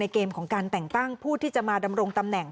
เกมของการแต่งตั้งผู้ที่จะมาดำรงตำแหน่ง